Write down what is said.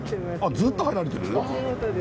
ずっと入られてる？